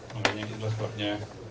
makanya itulah sebabnya